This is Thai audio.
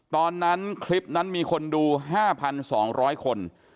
ตอนนั้นคลิปนั้นมีคนดู๕๒๐๐คน